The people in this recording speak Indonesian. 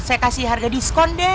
saya kasih harga diskon deh